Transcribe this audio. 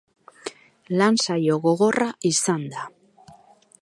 Lan saio gogorra izan da.